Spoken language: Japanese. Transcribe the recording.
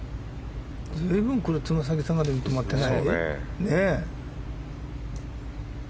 随分、つま先下がりで止まってない？